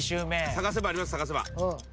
探せば。